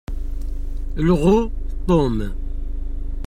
Lɣu Tom.